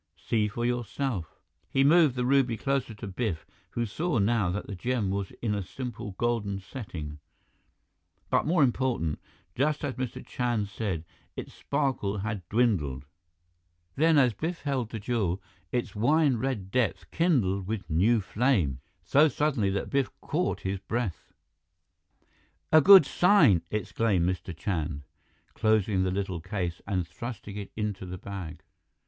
See for yourself!" He moved the ruby closer to Biff, who saw now that the gem was in a simple golden setting; but more important, just as Mr. Chand said, its sparkle had dwindled. Then, as Biff himself held the jewel, its wine red depth kindled with new flame, so suddenly that Biff caught his breath. "A good sign!" exclaimed Mr. Chand, closing the little case and thrusting it into the bag.